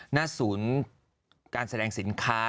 หน้าศูนย์การแสดงสินค้า